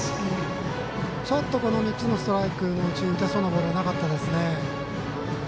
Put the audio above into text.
ちょっと３つのストライクのうち打てそうなボールはなかったですね。